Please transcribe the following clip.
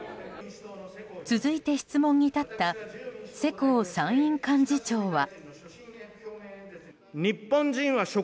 続いて質問に立った世耕参院幹事長は。